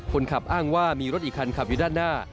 คนขับอ้างว่ามีรถอีกคันขับอยู่ด้านหน้า